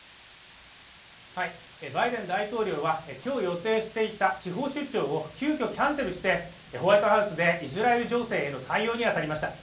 バイデン大統領はきょう予定していた地方出張を急きょキャンセルしてホワイトハウスでイスラエル情勢への対応に当たりました